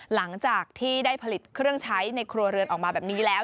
หลังจากที่ได้ผลิตเครื่องใช้ในครัวเรือนออกมาแบบนี้แล้ว